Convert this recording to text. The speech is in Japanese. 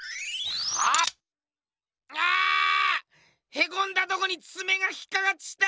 へこんだとこにつめが引っかかっちった！